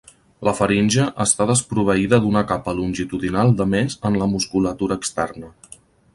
La faringe està desproveïda d'una capa longitudinal de més en la musculatura externa.